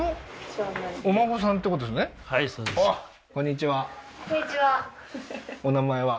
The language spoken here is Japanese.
そのこんにちはお名前は？